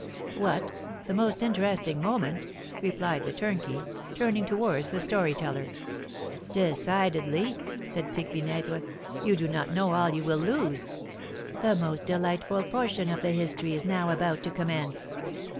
"What! The most interesting moment?" replied the turnkey, turning towards the story teller. "Decidedly," said Pique Vinaigre; "you do not know all you will lose, the most delightful portion of the history is now about to commence."